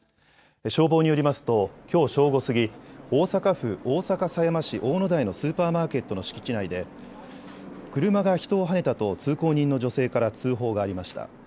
消防によりますときょう正午過ぎ大阪府大阪狭山市大野台のスーパーマーケットの敷地内で車が人をはねたと通行人の女性から通報がありました。